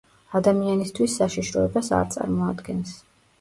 ადამიანისთვის საშიშროებას არ წარმოადგენს.